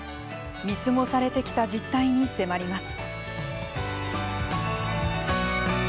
見過ごされてきた実態に迫ります。